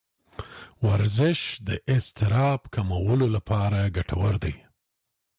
ورزش د اضطراب کمولو لپاره ګټور دی.